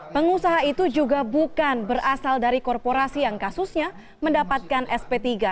pengusaha itu juga bukan berasal dari korporasi yang kasusnya mendapatkan sp tiga